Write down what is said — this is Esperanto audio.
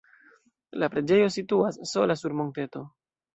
La preĝejo situas sola sur monteto.